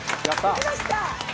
できました！